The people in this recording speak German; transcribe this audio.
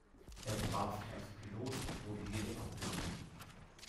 Er bewarb sich als Pilot, wurde jedoch abgelehnt.